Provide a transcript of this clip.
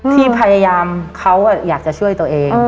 ที่พยายามเขาอยากจะช่วยตัวเอง